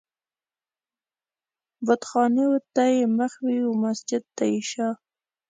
بتخانې و ته يې مخ وي و مسجد و ته يې شا